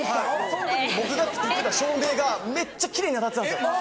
そん時に僕が作ってた照明がめっちゃ奇麗に当たってたんです。